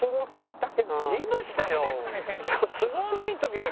言いましたよ。